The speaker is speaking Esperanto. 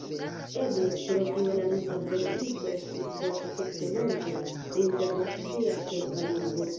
Eble pro tio la rusa verkisto estis forta subtenanto de internacia helpa lingvo.